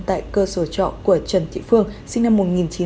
tại cơ sở trọ của trần thị phương sinh năm một nghìn chín trăm tám mươi